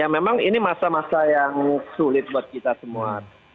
ya memang ini masa masa yang sulit buat kita semua